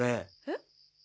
えっ？